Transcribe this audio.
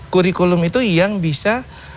kurikulum itu yang bisa